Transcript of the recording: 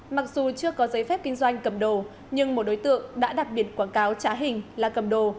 mặc dù chưa có giấy phép kinh doanh cầm đồ nhưng một đối tượng đã đặc biệt quảng cáo trá hình là cầm đồ